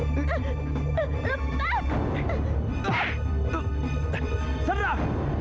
aku nggak ngerti deh